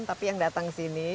tapi yang datang sini